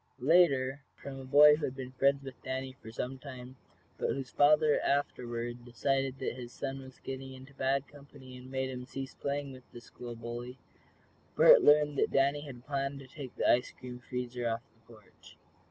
Later, from a boy who had been friends with Danny for some time, but whose father, afterward, decided that his son was getting into bad company, and made him cease playing with the school bully, Bert learned that Danny had planned to take the ice cream freezer off the porch.